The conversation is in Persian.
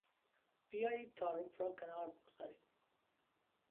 بیایید تعارف را کنار بگذاریم!